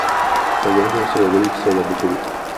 ازادي راډیو د سوداګري کیسې وړاندې کړي.